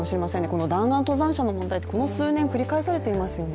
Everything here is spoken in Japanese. この弾丸登山者の問題ってこの数年、繰り返されていますよね。